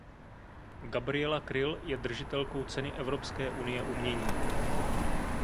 Gabriela Kryl je držitelkou Ceny Evropské Unie umění.